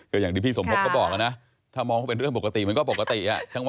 ก็อย่างที่พี่สมพบก็บอกนะถ้ามองว่าเป็นเรื่องปกติมันก็ปกติ